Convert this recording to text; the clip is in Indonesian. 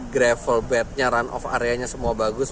gravel bednya runoff area nya semua bagus